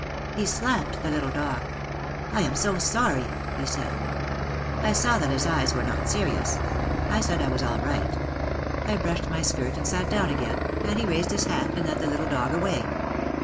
He slapped the little dog. "I am so sorry!" he said. I saw that his eyes were not serious. I said I was all right. I brushed my skirt and sat down again, and he raised his hat and led the little dog away.